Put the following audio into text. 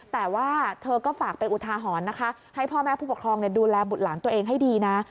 แต่ว่าเธอก็ฝากเป็นอุทาหรณ์นะคะให้พ่อแม่ผู้ปกครองดูแลบุตรหลานตัวเองให้ดีนะ